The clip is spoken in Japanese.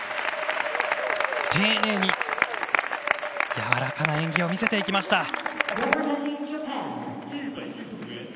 丁寧に柔らかな演技を見せていきました。